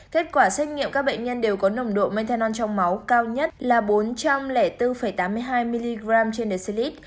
kết quả xét nghiệm các bệnh nhân đều có nồng độ methanol trong máu cao nhất là bốn trăm linh bốn tám mươi hai mg trên decilit